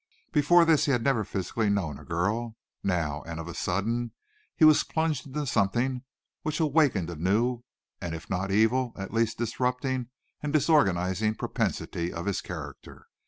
Before this he had never physically known a girl. Now, and of a sudden, he was plunged into something which awakened a new, and if not evil, at least disrupting and disorganizing propensity of his character.